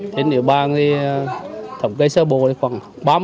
thế nên địa bàn thì thẩm kê sơ bồ thì khoảng ba mươi